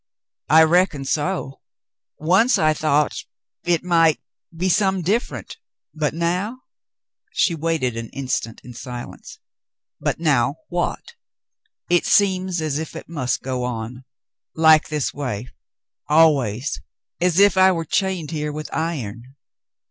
" I reckon so. Once I thought — it might — be some different, but now —" She waited an instant in silence. "But now — what .^" "It seems as if it must go on — like this way — always, as if I were chained here with iron."